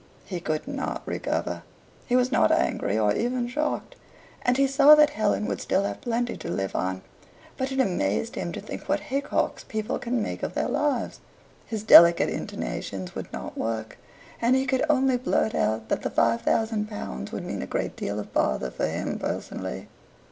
He could not recover. He was not angry or even shocked, and he saw that Helen would still have plenty to live on. But it amazed him to think what haycocks people can make of their lives. His delicate intonations would not work, and he could only blurt out that the five thousand pounds would mean a great deal of bother for him personally.